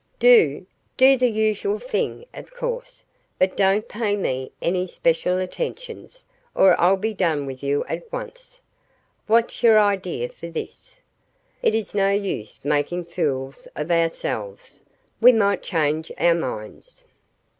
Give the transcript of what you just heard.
"Do! Do the usual thing, of course; but don't pay me any special attentions, or I'll be done with you at once." "What's your idea for this?" "It is no use making fools of ourselves; we might change our minds."